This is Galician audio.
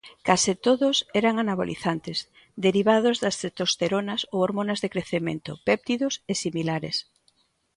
Case todos eran anabolizantes, derivados das testosteronas ou hormonas de crecemento, péptidos e similares.